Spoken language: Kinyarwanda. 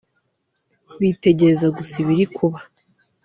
bitegereza gusa ibiri kuba